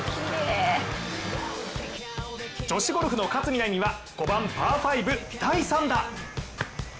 女子ゴルフの勝みなみは５番パー５、第３打。